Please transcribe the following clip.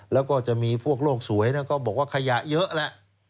แล้วก็จะมีพวกโลกสวยก็บอกว่าขยะเยอะแหละ